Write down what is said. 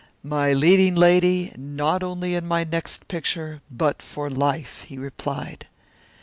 "My leading lady, not only in my next picture, but for life," he replied.